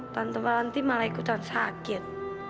tante ranti malah ikutan sakit